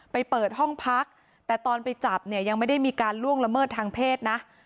เปิดห้องพักแต่ตอนไปจับเนี่ยยังไม่ได้มีการล่วงละเมิดทางเพศนะ